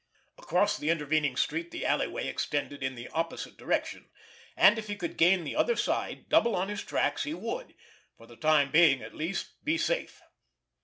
Across the intervening street the alleyway extended in the opposite direction, and if he could gain the other side, double on his tracks, he would, for the time being at least, be safe.